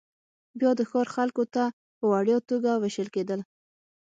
بیا د ښار خلکو ته په وړیا توګه وېشل کېدل